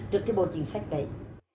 trước cái bộ chính sách đấy